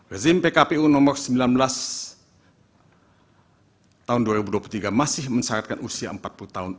rezim pkpu nomor sembilan belas tahun dua ribu dua puluh tiga masih mensyaratkan usia empat puluh tahun